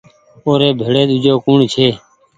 او ر بيڙي ۮوجو ڪوٚڻ ڇي